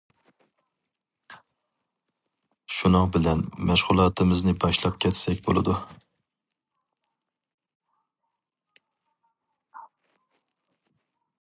شۇنىڭ بىلەن مەشغۇلاتىمىزنى باشلاپ كەتسەك بولىدۇ.